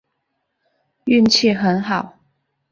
运气很好